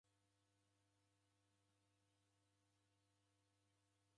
Nereka mzi ghwa Mombasa.